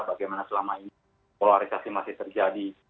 bagaimana selama ini polarisasi masih terjadi